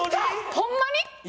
ホンマに？